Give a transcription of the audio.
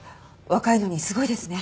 若いのにすごいですね。